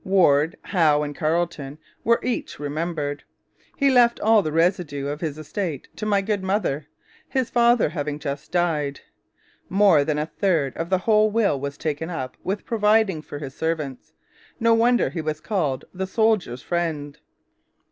Warde, Howe, and Carleton were each remembered. He left all the residue of his estate to 'my good mother,' his father having just died. More than a third of the whole will was taken up with providing for his servants. No wonder he was called 'the soldier's friend.'